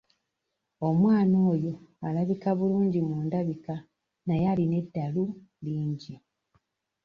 Omwana oyo alabika bulungi mu ndabika naye alina eddalu lingi.